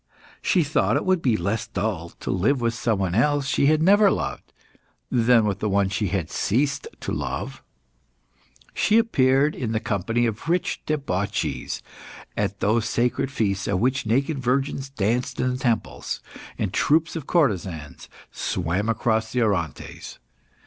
She thought it would be less dull to live with someone she had never loved, than with one she had ceased to love. She appeared, in the company of rich debauchees, at those sacred feasts at which naked virgins danced in the temples, and troops of courtesans swam across the Orontes.